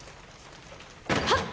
はっ！